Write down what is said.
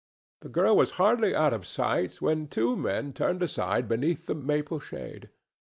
The girl was hardly out of sight when two men turned aside beneath the maple shade.